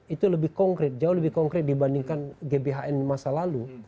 itu lebih konkret jauh lebih konkret dibandingkan gbhn masa lalu